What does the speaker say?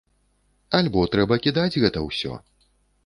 Альбо трэба кідаць гэта ўсё.